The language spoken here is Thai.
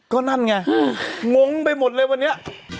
ก็นั่นไงงงไปหมดเลยวันนี้